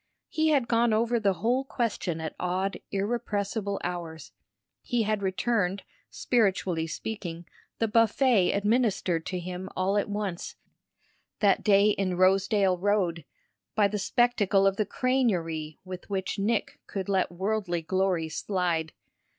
He had gone over the whole question at odd, irrepressible hours; he had returned, spiritually speaking, the buffet administered to him all at once, that day in Rosedale Road, by the spectacle of the crânerie with which Nick could let worldly glories slide.